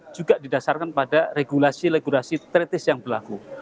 juga didasarkan pada regulasi regulasi tritis yang berlaku